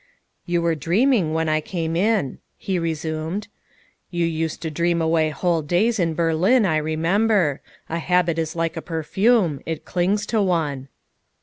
" You were dreaming when I came in," he resumed. " You used to dream away whole days in Berlin, I re member. A habit is like a perfume it clings to one."